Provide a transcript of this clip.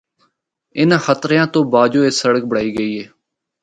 اِناں خطریاں تو باوجو اے سڑک بنڑائی گئی۔